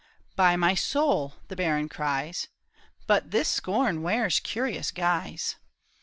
" By my soul !" the baron cries ;" But this scorn wears curious guise